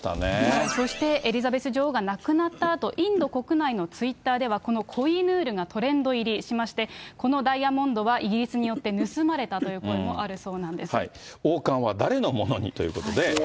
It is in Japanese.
そしてエリザベス女王が亡くなったあと、インド国内のツイッターではこのコ・イ・ヌールがトレンド入りしまして、このダイヤモンドはイギリスによって盗まれたという声もあるそう王冠は誰のものにということで。